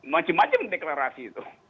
macem macem deklarasi itu